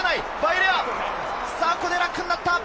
ここでラックになった！